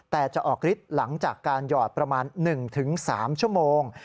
แต่จะออกฤทธิ์หลังจากการหยอดประมาณ๑๓ชั่วโมง